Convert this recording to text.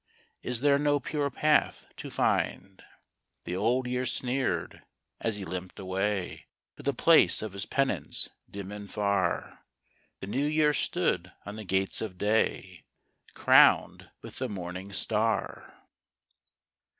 Is there no pure path to find? " The Old Year sneered as he limped away To the place of his penance dim and far. The New Year stood in the gates of day, Crowned with the morning star.